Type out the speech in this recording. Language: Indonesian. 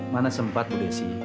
mana sempat bu desi